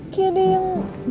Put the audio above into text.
kayak ada yang